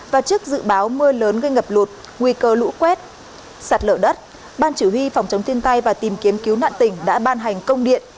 và trước dự báo mưa lớn gây ngập lụt nguy cơ lũ quét sạt lở đất ban chỉ huy phòng chống thiên tai và tìm kiếm cứu nạn tỉnh đã ban hành công điện